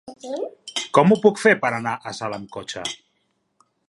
Com ho puc fer per anar a Salt amb cotxe?